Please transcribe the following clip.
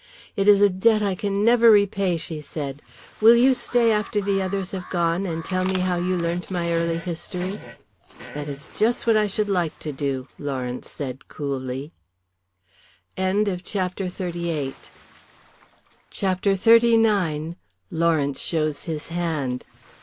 "It is a debt I can never repay," she said. "Will you stay after the others have gone and tell me how you learnt my early history?" "That is just what I should like to do," Lawrence said coolly. CHAPTER XXXIX. LAWRENCE SHOWS HIS HAND.